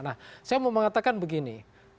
nah saya mau mengatakan begini